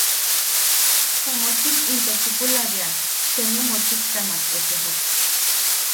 Ju mochik into chukula bea seenu mochiktamak etejok.